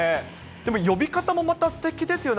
でも、呼び方もまたすてきですよね。